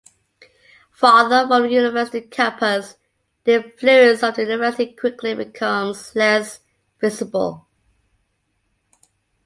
Farther from the university campus, the influence of the university quickly becomes less visible.